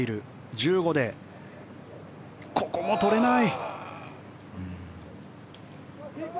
１５で、ここも取れない。